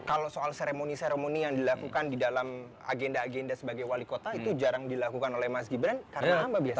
kalau soal seremoni seremoni yang dilakukan di dalam agenda agenda sebagai wali kota itu jarang dilakukan oleh mas gibran karena apa biasanya